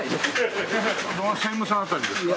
専務さん辺りですか？